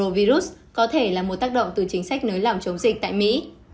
virus có thể là một tác động từ chính sách nới lỏng chống dịch tại mỹ